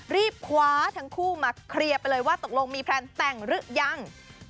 รีบคว้าทั้งคู่มาเคลียร์ไปเลยว่าตกลงมีแพลนแต่งหรือยัง